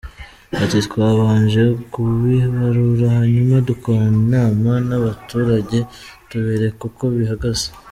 Ati “Twabanje kubibarura hanyuma dukorana inama n’abaturage tubereka uko bihagaze.